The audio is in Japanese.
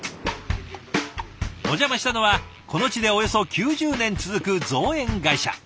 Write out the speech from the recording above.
お邪魔したのはこの地でおよそ９０年続く造園会社。